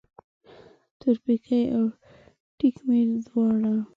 تورپیکی او ټیک مې دواړه